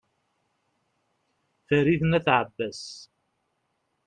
farid n at abbas